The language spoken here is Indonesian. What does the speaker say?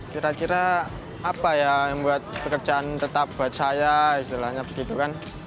kira kira apa ya yang buat pekerjaan tetap buat saya istilahnya begitu kan